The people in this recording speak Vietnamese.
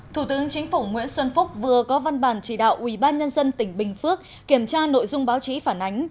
thủ tướng chính phủ nguyễn xuân phúc vừa có văn bản chỉ đạo ubnd tỉnh bình phước kiểm tra nội dung báo chí phản ánh